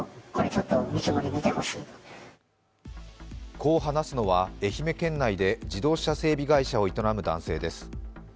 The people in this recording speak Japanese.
こう話すのは、愛媛県内で自動車整備会社を営む男性です。